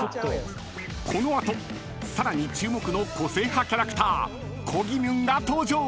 ［この後さらに注目の個性派キャラクターこぎみゅんが登場］